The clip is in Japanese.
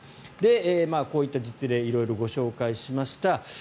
こういった実例を色々ご紹介しました。